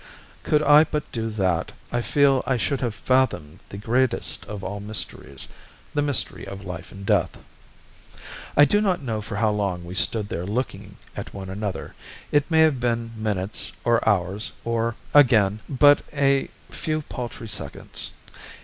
Could I but do that, I feel I should have fathomed the greatest of all mysteries the mystery of life and death. "I do not know for how long we stood there looking at one another, it may have been minutes or hours, or, again, but a few paltry seconds.